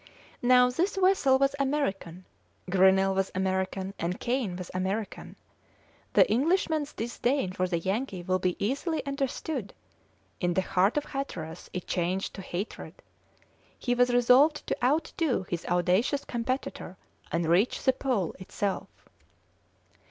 Now, this vessel was American, Grinnell was American, and Kane was American. The Englishman's disdain for the Yankee will be easily understood; in the heart of Hatteras it changed to hatred; he was resolved to outdo his audacious competitor and reach the Pole itself.